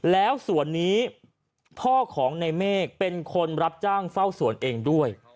แล้วสวนนี้พ่อของในเมฆเป็นคนรับจ้างเฝ้าสวนเองด้วย